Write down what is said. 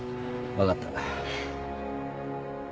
分かった。